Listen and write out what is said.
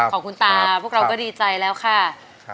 หวังของคุณตาเห็นว่ารายการของเราเป็นความ